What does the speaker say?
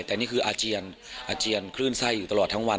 แต่นี่คืออาเจียนอาเจียนคลื่นไส้อยู่ตลอดทั้งวัน